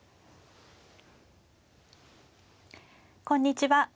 こんにちは。